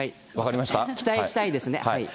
期待したいですね。